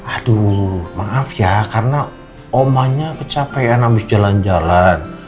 aduh maaf ya karena omanya kecapean habis jalan jalan